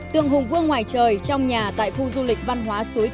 tượng hùng vương ngoài trời trong nhà tại khu du lịch văn hóa suối